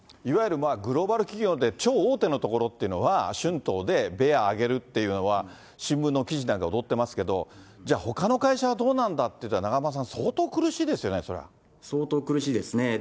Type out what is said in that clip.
いわゆるグローバル企業で超大手のところというのは、春闘でベア上げるっていうのは、新聞の記事なんか踊ってますけど、じゃあほかの会社はどうなんだっていったら、永濱さん、相当苦し相当苦しいですね。